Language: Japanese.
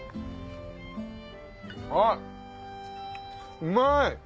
あっうまい！